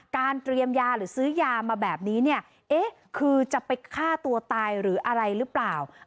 เตรียมยาหรือซื้อยามาแบบนี้เนี่ยเอ๊ะคือจะไปฆ่าตัวตายหรืออะไรหรือเปล่า